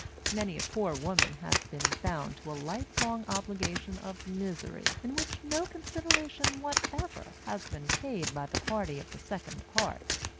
Many a poor woman has been bound to a life long obligation of misery in which no consideration whatever has been paid by the party of the second part.